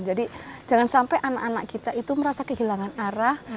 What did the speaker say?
jadi jangan sampai anak anak kita itu merasa kehilangan arah